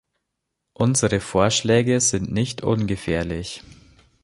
Unsere Vorschläge sind nicht ungefährlich.